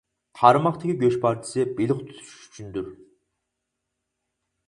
قارماقتىكى گۆش پارچىسى، بېلىق تۇتۇش ئۈچۈندۇر.